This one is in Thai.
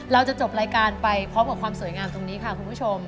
เราจะจบรายการไปพร้อมกับความสวยงามตรงนี้ค่ะคุณผู้ชม